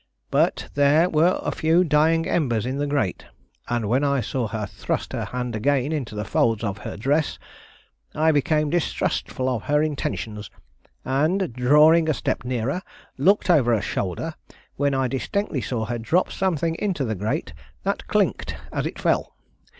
But there were a few dying embers in the grate, and when I saw her thrust her hand again into the folds of her dress I became distrustful of her intentions and, drawing a step nearer, looked over her shoulder, when I distinctly saw her drop something into the grate that clinked as it fell.